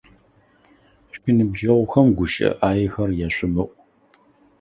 Шъуиныбджэгъухэм гущыӏэ ӏаехэр яшъумыӏу!